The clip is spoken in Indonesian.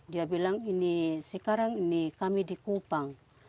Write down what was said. dia bilang ini sekarang ini kami di kupang